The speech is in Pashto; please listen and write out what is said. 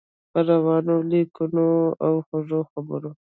په روانو لیکنو او خوږو خبرو.